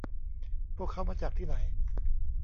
พวกเค้ามาจากที่ไหน